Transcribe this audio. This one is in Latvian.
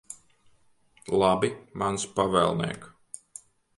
Labi, mans pavēlniek.